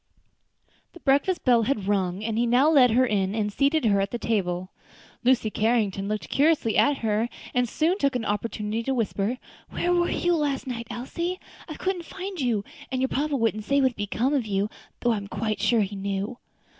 The breakfast bell had rung, and he now led her in and seated her at the table. Lucy Carrington looked curiously at her, and soon took an opportunity to whisper, "Where were you last night, Elsie? I couldn't find you, and your papa wouldn't say what had become of you, though I am quite sure he knew."